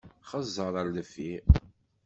Xeẓẓeṛ ar deffir!